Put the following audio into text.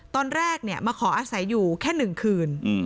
ตอนแรกมาขออาศัยอยู่แค่๑คืน